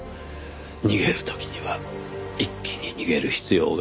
逃げる時には一気に逃げる必要があります。